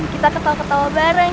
kita ketawa ketawa bareng